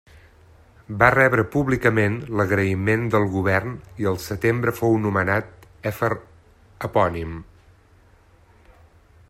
Va rebre públicament l'agraïment del govern i el setembre fou nomenat èfor epònim.